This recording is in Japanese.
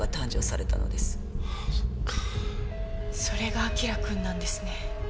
それが輝くんなんですね。